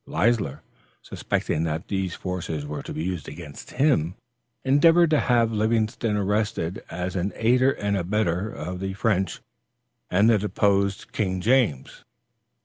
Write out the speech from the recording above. Leisler, suspecting that these forces were to be used against him, endeavored to have Livingston arrested as an aider and abettor of the French and the deposed King James.